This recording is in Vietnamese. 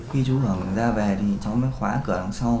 khi chú thuận ra về thì cháu mới khóa cửa đằng sau